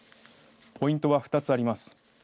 ポイントは２つあります。